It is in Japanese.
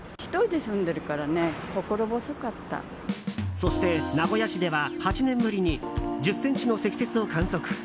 そして、名古屋市では８年ぶりに１０ｃｍの積雪を観測。